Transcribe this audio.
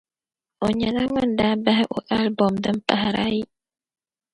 o nyɛla ŋun daa bahi o album din pahiri ayi.